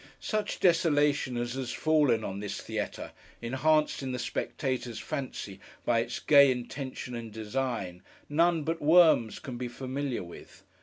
Such desolation as has fallen on this theatre, enhanced in the spectator's fancy by its gay intention and design, none but worms can be familiar with.